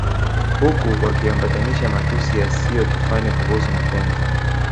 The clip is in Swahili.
huku wakiambatanisha matusi yasiyo kifani kuhusu mapenzi